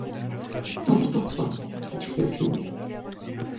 Tant pis pour toi! s’écria Quenu.